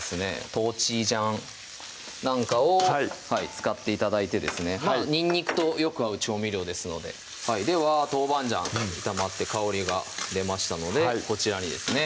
トウチージャンなんかを使って頂いてですねにんにくとよく合う調味料ですのででは豆板醤炒まって香りが出ましたのでこちらにですね